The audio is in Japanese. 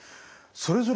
それぞれ